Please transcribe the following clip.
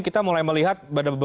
kita mulai melihat